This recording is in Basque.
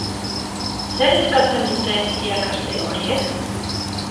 Zer eskatzen dute irakasle horiek?